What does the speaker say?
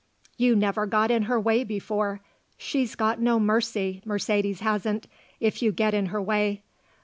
"You never got in her way before. She's got no mercy, Mercedes hasn't, if you get in her way.